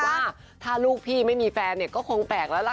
ว่าถ้าลูกพี่ไม่มีแฟนเนี่ยก็คงแปลกแล้วล่ะค่ะ